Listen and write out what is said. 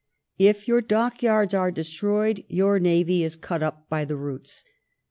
If yonr dockyards are destroyed, your nayy is cut up by the roots.